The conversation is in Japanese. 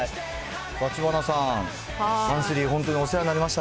知花さん、マンスリー、本当にお世話になりました。